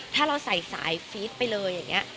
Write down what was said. ถ้าเราใส่สายฟีดไปเลยอย่างนี้